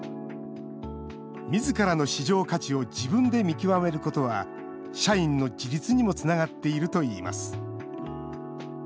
自らの市場価値を自分で見極めることは社員の自立にもつながっているといいます。